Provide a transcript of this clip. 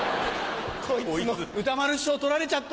歌丸師匠取られちゃった。